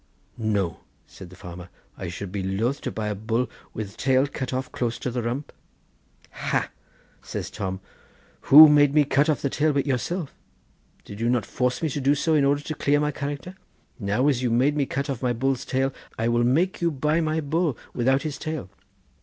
'No,' said the farmer, 'I should be loth to buy a bull with tail cut off close to the rump.' 'Ha,' says Tom, 'who made me cut off the tail but yourself? Did you not force me to do so in order to clear my character? Now as you made me cut off my bull's tail, I will make you buy my bull without his tail.